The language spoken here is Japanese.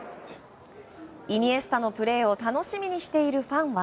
イニエスタのプレーを楽しみにしているファンは。